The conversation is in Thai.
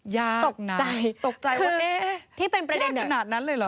ยากนักตกใจว่าเอ๊ะยากขนาดนั้นเลยเหรอ